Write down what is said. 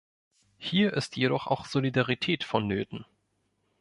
Hier ist jedoch auch Solidarität vonnöten.